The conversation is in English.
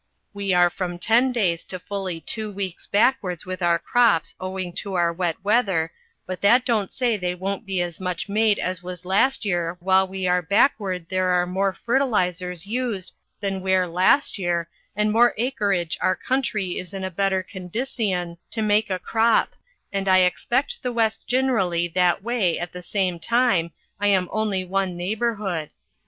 we are from ten days to fully two weeks backwards with our crops owing to our wet weather but that donte say they won't be as much made as was last year while we are backward there are more fertilizers yoused than ware last year and more Acreage our country is in a better condision to make a crop and I expect the west ginerally that way at the same time I am only one neighbourhood.